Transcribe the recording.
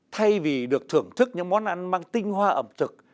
thay vì được thưởng thức những món ăn mang tinh hoa ẩm thực